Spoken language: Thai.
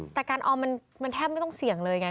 แต่การออมมันแทบไม่ต้องเสี่ยงเลยไง